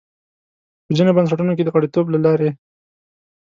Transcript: په ځینو بنسټونو کې د غړیتوب له لارې.